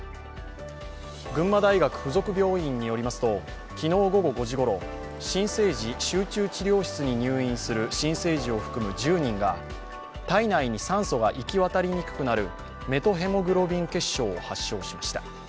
群馬大学附属病院によりますと、昨日午後５時ごろ新生児集中治療室に入院する新生児を含む１０人が体内に酸素が行き渡りにくくなるメトヘモグロビン血症を発症しました。